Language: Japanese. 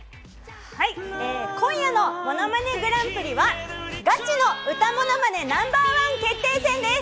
今夜の『ものまねグランプリ』はガチの歌ものまねＮｏ．１決定戦です。